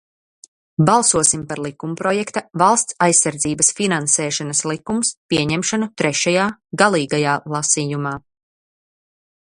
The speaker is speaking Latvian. "Balsosim par likumprojekta "Valsts aizsardzības finansēšanas likums" pieņemšanu trešajā, galīgajā, lasījumā!"